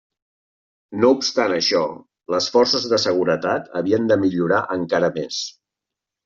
No obstant això, les forces de seguretat havien de millorar encara més.